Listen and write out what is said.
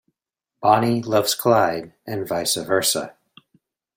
Bonnie loves Clyde and vice versa.